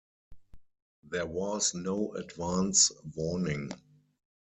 There was no advance warning.